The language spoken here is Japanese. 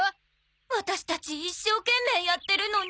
ワタシたち一生懸命やってるのに。